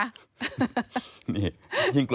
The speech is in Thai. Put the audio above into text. เยี่ยงกลัว